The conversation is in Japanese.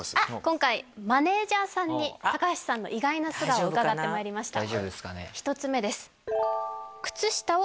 今回マネージャーさんに高橋さんの意外な素顔を伺ってまいりました